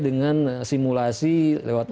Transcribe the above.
dengan simulasi lewat